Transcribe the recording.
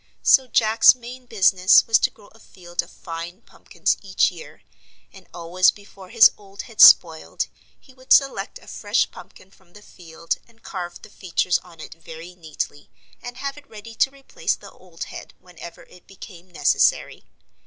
So Jack's main business was to grow a field of fine pumpkins each year, and always before his old head spoiled he would select a fresh pumpkin from the field and carve the features on it very neatly, and have it ready to replace the old head whenever it became necessary.